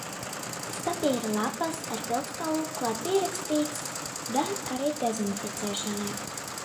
Uz papīra lapas ar pildspalvu klāt pierakstīts: "Der arī dezinficēšanai!"